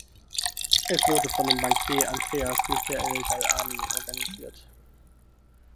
Es wurde von dem Bankier Andreas Michael Dall’Armi organisiert.